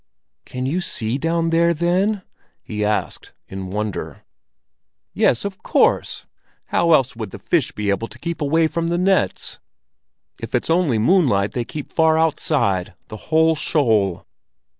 "Can you see down there, then?" he asked, in wonder. "Yes, of course! How else would the fish be able to keep away from the nets? If it's only moonlight, they keep far outside, the whole shoal!"